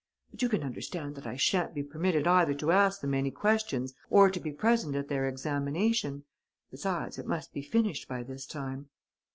But you can understand that I sha'n't be permitted either to ask them any questions or to be present at their examination. Besides, it must be finished by this time."